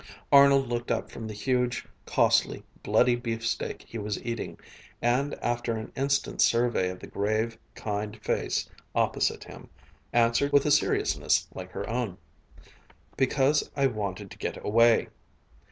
Arnold looked up from the huge, costly, bloody beefsteak he was eating and, after an instant's survey of the grave, kind, face opposite him, answered with a seriousness like her own, "Because I wanted to get away."